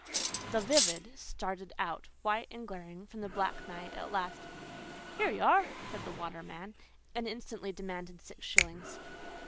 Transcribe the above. "THE VIVID" started out, white and glaring, from the black night at last.—"Here you are!" said the waterman, and instantly demanded six shillings.